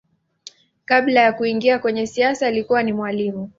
Kabla ya kuingia kwenye siasa alikuwa ni mwalimu.